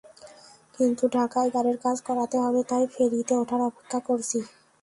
কিন্তু ঢাকায় গাড়ির কাজ করাতে হবে তাই ফেরিতে ওঠার অপেক্ষা করছি।